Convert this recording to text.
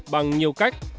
bằng nhiều cách